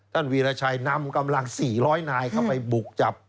วีรชัยนำกำลัง๔๐๐นายเข้าไปบุกจับ